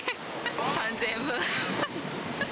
３０００円分。